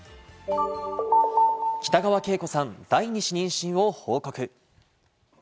北川景子さん、第二子妊娠を報告。